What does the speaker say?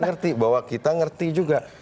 mengerti bahwa kita ngerti juga